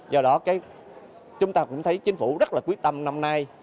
do đó chúng ta cũng thấy chính phủ rất là quyết tâm năm nay